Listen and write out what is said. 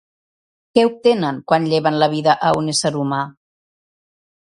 Què obtenen quan lleven la vida a un ésser humà?